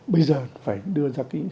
bây giờ phải đưa ra kinh tế